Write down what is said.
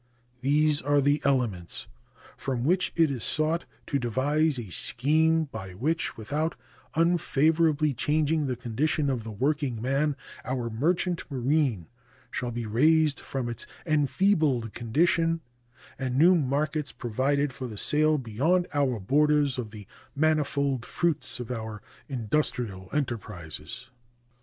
These are the elements from which it is sought to devise a scheme by which, without unfavorably changing the condition of the workingman, our merchant marine shall be raised from its enfeebled condition and new markets provided for the sale beyond our borders of the manifold fruits of our industrial enterprises.